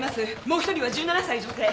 もう１人は１７才女性。